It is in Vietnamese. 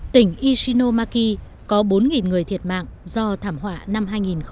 tỉnh ishinomaki có bốn người thiệt mạng do thảm họa năm hai nghìn một mươi